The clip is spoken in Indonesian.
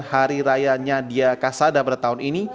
hari rayanya diakasada bertahun ini